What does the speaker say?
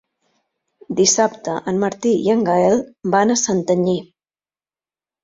Dissabte en Martí i en Gaël van a Santanyí.